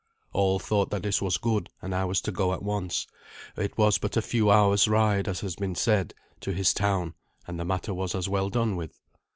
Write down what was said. All thought that this was good, and I was to go at once. It was but a few hours' ride, as has been said, to his town, and the matter was as well done with.